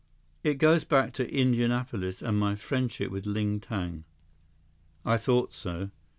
"It goes back to Indianapolis and to my friendship with Ling Tang." "I thought so."